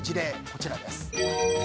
こちらです。